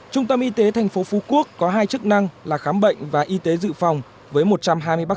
trung tâm y tế thành phố phú quốc có hai chức năng là khám bệnh và y tế dự phòng với một trăm hai mươi bác